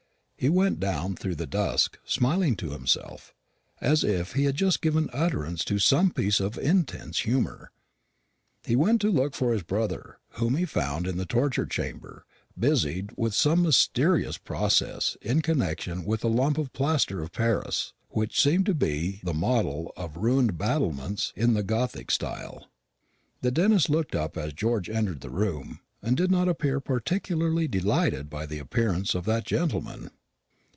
He went down through the dusk, smiling to himself, as if he had just given utterance to some piece of intense humour. He went to look for his brother, whom he found in the torture chamber, busied with some mysterious process in connection with a lump of plaster of paris, which seemed to be the model of ruined battlements in the Gothic style. The dentist looked up as George entered the room, and did not appear particularly delighted by the appearance of that gentleman.